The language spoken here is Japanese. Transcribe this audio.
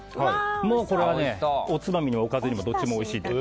もうこれはおつまみにでも、おかずにでもどっちでもおいしいです。